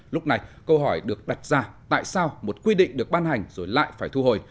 lúc này câu hỏi được đặt ra tại sao một quy định được ban hành rồi lại phải thu hồi